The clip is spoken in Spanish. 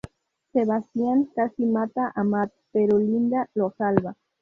Sebastián casi mata a Matt, pero Linda lo salva.